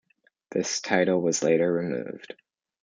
This title was later removed.